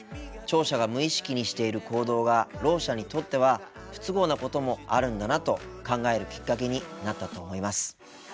聴者が無意識にしている行動がろう者にとっては不都合なこともあるんだなと考えるきっかけになったと思います。